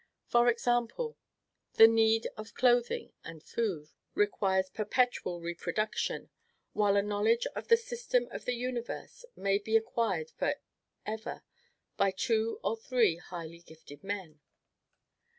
For example, the need of clothing and food requires perpetual reproduction; while a knowledge of the system of the universe may be acquired for ever by two or three highly gifted men.